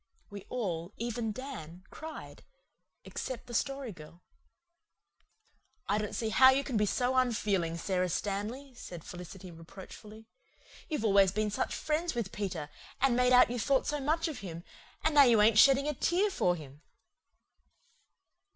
We all, even Dan, cried, except the Story Girl. "I don't see how you can be so unfeeling, Sara Stanley," said Felicity reproachfully. "You've always been such friends with Peter and made out you thought so much of him and now you ain't shedding a tear for him."